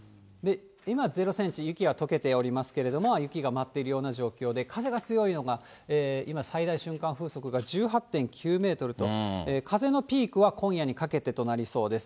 今、０センチ、雪がとけておりますけれども、雪が舞っているような状況で、風が強いのが、今、最大瞬間風速が１８．９メートルと、風のピークは今夜にかけてとなりそうです。